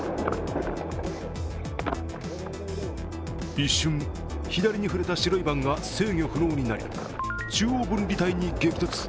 一瞬、左に振れたバンが制御不能になり中央分離帯に激突。